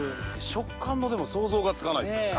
食感の想像がつかないです。